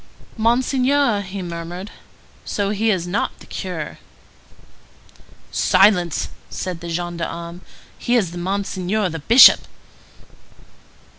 "Monseigneur!" he murmured. "So he is not the curé?" "Silence!" said the gendarme. "He is Monseigneur the Bishop."